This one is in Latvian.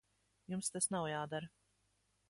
Jums tas nav jādara.